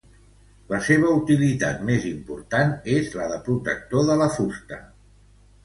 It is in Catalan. La seva utilitat més important és la de protector de la fusta.